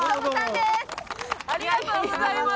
ありがとうございます。